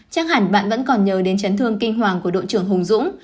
chắc hẳn bạn vẫn còn nhớ đến chấn thương kinh hoàng của đội trưởng hùng dũng